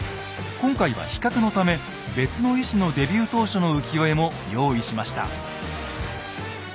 今回は比較のため別の絵師のデビュー当初の浮世絵も用意しました。